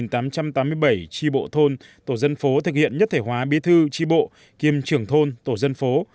tri bộ thôn tổ dân phố thực hiện nhất thể hóa bí thư tri bộ kiêm trưởng thôn tổ dân phố